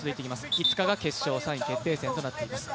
５日が決勝、３位決定戦となっていきます。